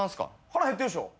腹減ってるでしょ？